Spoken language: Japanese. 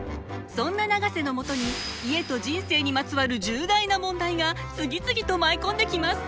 そんな永瀬のもとに家と人生にまつわる重大な問題が次々と舞い込んできます。